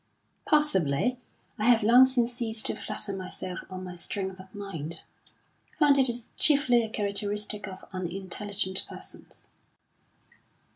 "Possibly! I have long since ceased to flatter myself on my strength of mind. I find it is chiefly a characteristic of unintelligent persons."